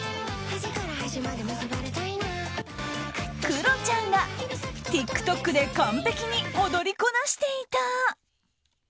クロちゃんが、ＴｉｋＴｏｋで完璧に踊りこなしていた。